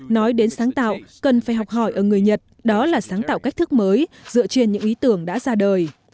nói đến sáng tạo cần phải học hỏi ở người nhật đó là sáng tạo cách thức mới dựa trên những ý tưởng đã ra đời